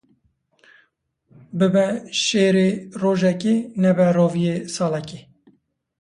Bibe şêrê rojekê, nebe roviyê salekê.